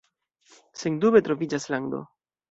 Sendube troviĝas lando.“